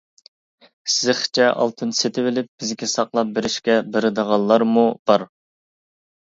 زىخچە ئالتۇن سېتىۋېلىپ، بىزگە ساقلاپ بېرىشكە بېرىدىغانلارمۇ بار.